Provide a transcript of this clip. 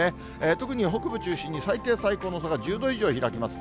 特に北部中心に最低、最高の差が１０度以上開きます。